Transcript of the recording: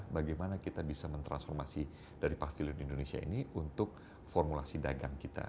bagaimana kita bisa mentransformasi dari pavilion indonesia ini untuk formulasi dagang kita